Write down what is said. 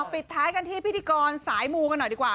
ปิดท้ายกันที่พิธีกรสายมูกันหน่อยดีกว่า